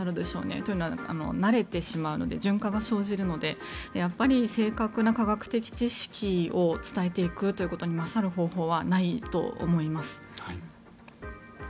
というのは、慣れてしまうので順化が生じるのでやっぱり正確な科学的知識を伝えていくことに勝る方法はないと思います。